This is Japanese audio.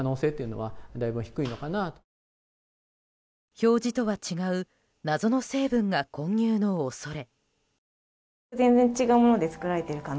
表示とは違う謎の成分が混入の恐れ。